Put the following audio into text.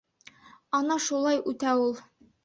Ана шулай үтә ул!